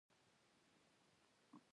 تاريخي لښکرګاه د لښکرونو ټاټوبی وو۔